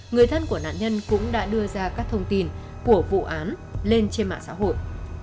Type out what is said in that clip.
người thân của nạn nhân cũng đã đưa ra các thông tin của vụ án lên trên mạng xã hội